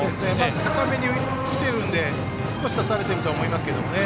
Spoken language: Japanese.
高めに来ているんで少し差されているとは思いますけどね。